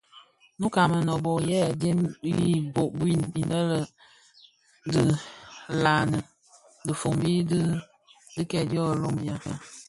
Nnouka a Mënōbō yè adyèm i mbōg wui inne dhi nlaňi dhifombi di kidèè dyo londinga.